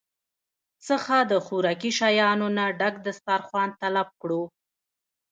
څخه د خوراکي شيانو نه ډک دستارخوان طلب کړو